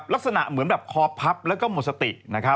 ลักษณะเหมือนแบบคอพับแล้วก็หมดสติ